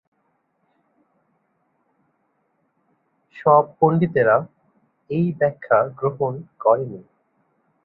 সব পণ্ডিতেরা এই ব্যাখ্যা গ্রহণ করেনি।